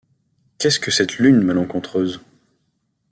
Qu’est-ce que cette Lune malencontreuse ?